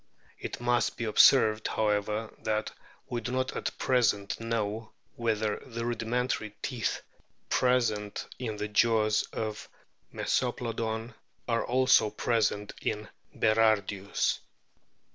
It must be observed, however, that we do not at present know whether the rudimentary teeth present in the jaws of Mesoplodon are also present in Berardius.